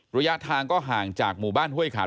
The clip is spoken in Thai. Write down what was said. ระยะทางก็ห่างจากหมู่บ้านห้วยขาม